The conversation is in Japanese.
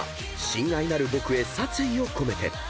『親愛なる僕へ殺意をこめて』］